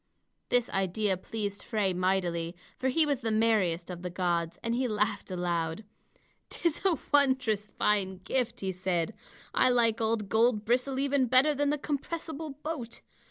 This idea pleased Frey mightily, for he was the merriest of the gods, and he laughed aloud. "'Tis a wondrous fine gift," he said. "I like old Goldbristle even better than the compressible boat.